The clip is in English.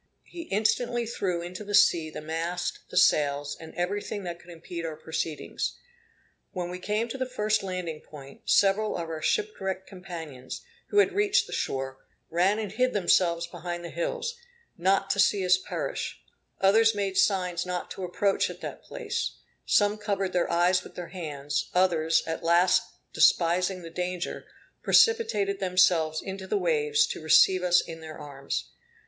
He instantly threw into the sea the mast, the sails, and everything that could impede our proceedings. When we came to the first landing point, several of our shipwrecked companions, who had reached the shore, ran and hid themselves behind the hills, not to see us perish; others made signs not to approach at that place, some covered their eyes with their hands; others, at last despising the danger, precipitated themselves into the waves to receive us in their arms.